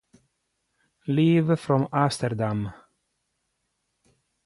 Live from Amsterdam